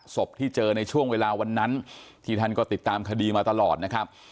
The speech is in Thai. ศพที่เจอในช่วงเวลาวันนั้นที่ท่านก็ติดตามคดีมาตลอดนะครับ